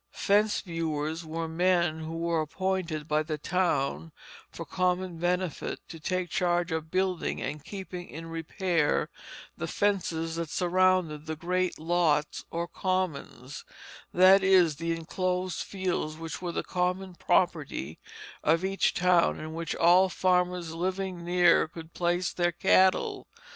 Fence viewers were men who were appointed by the town for common benefit to take charge of building and keeping in repair the fences that surrounded the "great lotts" or commons; that is, the enclosed fields which were the common property of each town, in which all farmers living near could place their cattle.